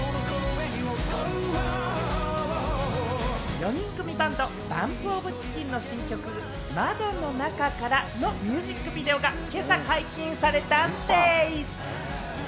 ４人組バンド、ＢＵＭＰＯＦＣＨＩＣＫＥＮの新曲、『窓の中から』のミュージックビデオが今朝解禁されたんデイズ！